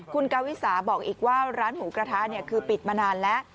คุณกาวิสาบอกอีกว่าร้านหมูกระทะคือปิดมานานแล้ว